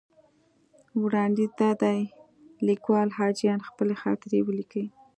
وړاندیز دا دی لیکوال حاجیان خپلې خاطرې ولیکي.